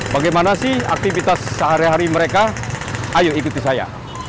bagaimana sih aktivitas sehari hari mereka ayo ikuti saya